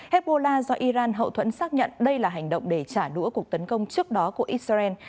hezbollah do iran hậu thuẫn xác nhận đây là hành động để trả đũa cuộc tấn công trước đó của israel